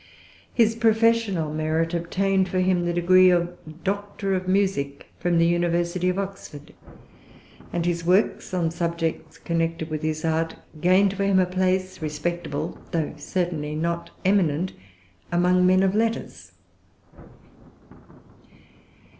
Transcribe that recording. His professional merit obtained for him the degree of Doctor of Music from the University of Oxford; and his works on subjects connected with his art gained for him a place, respectable, though certainly not eminent, among men of letters.